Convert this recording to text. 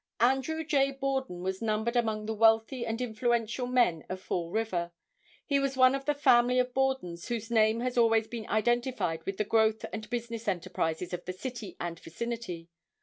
Andrew J. Borden was numbered among the wealthy and influential men of Fall River. He was one of the family of Bordens whose name has always been identified with the growth and business enterprises of the city and vicinity.